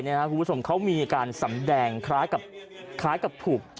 คุณผู้ชมเขามีอาการสำแดงคล้ายกับถูก